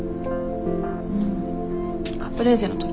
うんカプレーゼの時？